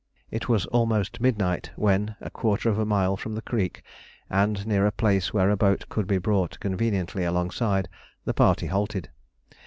It was almost midnight when, a quarter of a mile from the creek, and near a place where a boat could be brought conveniently alongside, the party halted.